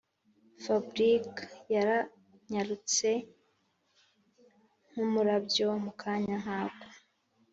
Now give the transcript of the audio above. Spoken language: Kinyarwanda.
fabric yaranyarutse nkumurabyo mukanya nkako